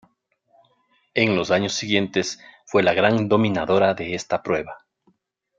En los años siguientes fue la gran dominadora de esta prueba.